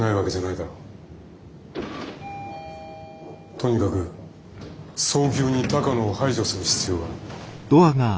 とにかく早急に鷹野を排除する必要が。